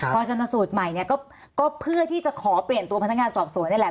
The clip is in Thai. พอชนสูตรใหม่เนี่ยก็เพื่อที่จะขอเปลี่ยนตัวพนักงานสอบสวนนี่แหละ